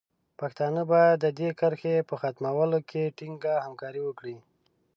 پښتانه باید د دې کرښې په ختمولو کې ټینګه همکاري وکړي.